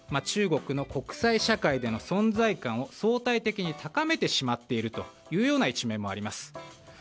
中国の国際社会での存在感を相対的に高めてしまっているという一面もあります。